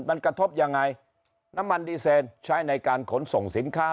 มันกระทบยังไงน้ำมันดีเซนใช้ในการขนส่งสินค้า